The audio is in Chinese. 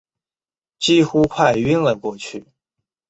几乎快晕了过去